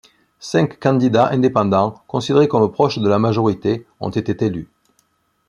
Cinq candidats indépendants, considérés comme proches de la majorité, ont été élus.